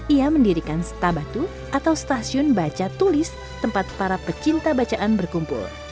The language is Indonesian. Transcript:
ia mendirikan stabatu atau stasiun baca tulis tempat para pecinta bacaan berkumpul